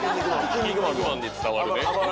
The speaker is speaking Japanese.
『キン肉マン』に伝わるね。